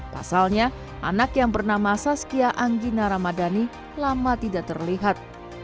pasalnya anak yang bernama saskia anggina ramadhani lama tidak terlihat